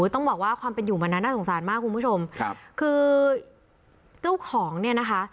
ต้องบอกว่าความเป็นอยู่วันนั้นน่าสงสารมากคุณผู้ชมครับคือเจ้าของเนี่ยนะคะ